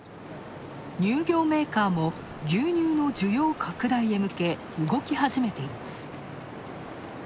乳業メーカーも牛乳の需要拡大へ向け、動き始めています。